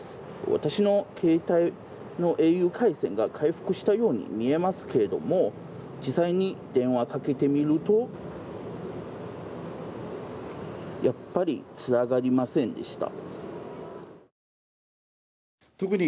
私の携帯のａｕ回線が回復したように見えますけれども実際に電話をかけてみるとやっぱりつながりませんでした。